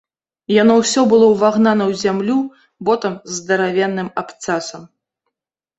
Яно ўсё было ўвагнана ў зямлю ботам з здаравенным абцасам.